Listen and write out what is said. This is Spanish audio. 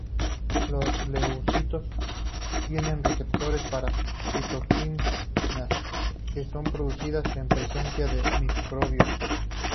Los leucocitos tienen receptores para citoquinas que son producidas en presencia de microbios.